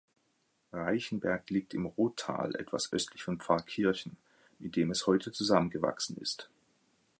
Reichenberg liegt im Rottal etwas östlich von Pfarrkirchen, mit dem es heute zusammengewachsen ist.